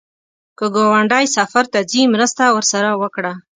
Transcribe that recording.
که ګاونډی سفر ته ځي، مرسته ورسره وکړه